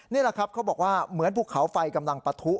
นี่แหละครับเขาบอกว่าเหมือนภูเขาไฟกำลังปะทุ